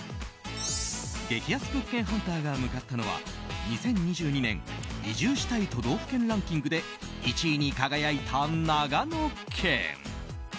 激安物件ハンターが向かったのは２０２２年移住したい都道府県ランキングで１位に輝いた長野県。